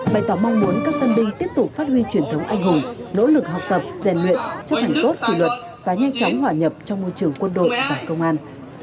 bày tỏ mong muốn các tân binh tiếp tục phát huy truyền thống anh hùng nỗ lực học tập rèn luyện chấp hành tốt kỷ luật và nhanh chóng hòa nhập trong môi trường quân đội và công an